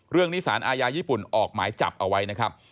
เรื่องนี้สารอาญาญี่ปุ่นออกหมายจับเอาไว้นะครับ